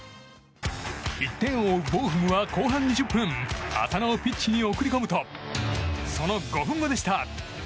１点を追うボーフムは後半２０分浅野をピッチに送り込むとその５分後でした！